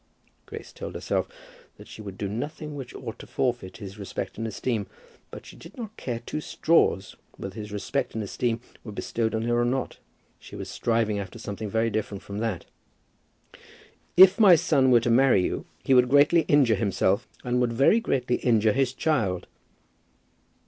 Grace told herself that she would do nothing which ought to forfeit his respect and esteem, but that she did not care two straws whether his respect and esteem were bestowed on her or not. She was striving after something very different from that. "If my son were to marry you, he would greatly injure himself, and would very greatly injure his child."